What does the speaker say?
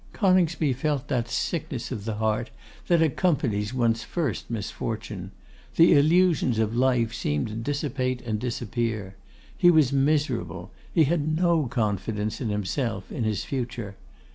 Coningsby felt that sickness of the heart that accompanies one's first misfortune. The illusions of life seemed to dissipate and disappear. He was miserable; he had no confidence in himself, in his future.